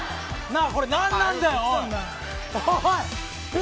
これ何なんだよ。